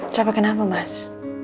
capek kenapa mas